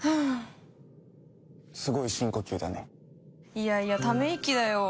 いやいやため息だよ。